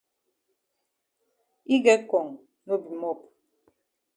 Yi get kong no be mop.